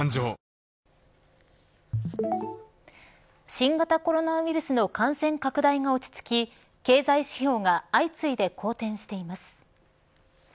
新型コロナウイルスの感染拡大が落ち着き経済指標が相次いで好転しています。